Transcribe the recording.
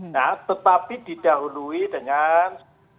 nah tetapi didahului dengan